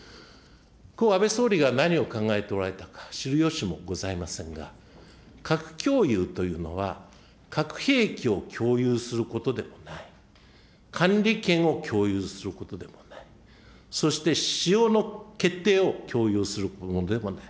故・安倍総理が何を考えておられたのか知る由もございませんが、核共有というのは、核兵器を共有することでもない、管理権を共有することでもない、そして、使用の決定を共有することでもない。